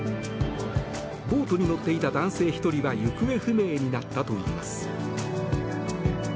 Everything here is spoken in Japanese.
ボートに乗っていた男性１人が行方不明になったといいます。